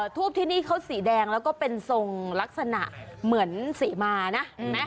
ทูปที่นี่เขาสีแดงแล้วก็เป็นทรงลักษณะเหมือนสีมานะ